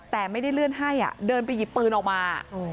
แต่ไม่ได้เลื่อนให้เดินไปหยิบปืนออกมา